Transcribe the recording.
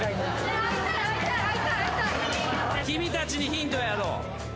君たちにヒントをやろう。